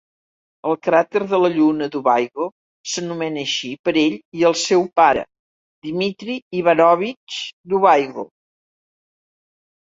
El cràter de la lluna Dubyago s'anomena així per ell i el seu pare, Dmitry Ivanovich Dubyago.